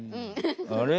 あれ？